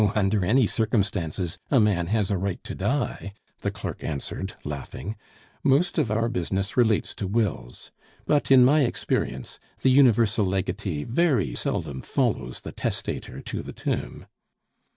"Oh, under any circumstances a man has a right to die," the clerk answered, laughing; "most of our business relates to wills. But, in my experience, the universal legatee very seldom follows the testator to the tomb."